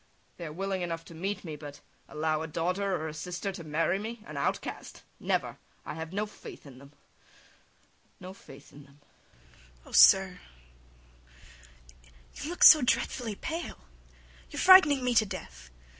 They are willing enough to meet me ... but allow a daughter or a sister to marry me, an outcast, never! I have no faith in them, [sinks onto the stool] no faith in them. IVANITCH. Oh, sir! you look dreadfully pale, you frighten me to death!